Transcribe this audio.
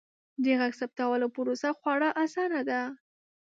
د غږ ثبتولو پروسه خورا اسانه ده.